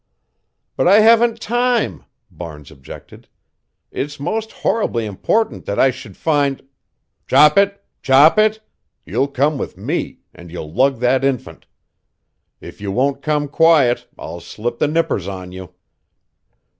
"But I haven't time," Barnes objected. "It's most horribly important that I should find" "Chop it! Chop it! You'll come with me, and you'll lug that infant. If you won't come quiet I'll slip the nippers on you."